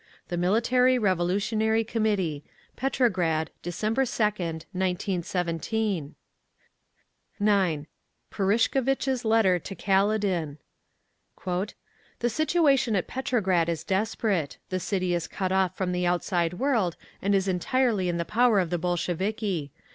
THE MILITARY REVOLUTIONARY COMMITTEE Petrograd, Dec. 2d, 1917. 9. PURISHKEVITCH's LETTER TO KALEDIN "The situation at Petrograd is desperate. The city is cut off from the outside world and is entirely in the power of the Bolsheviki….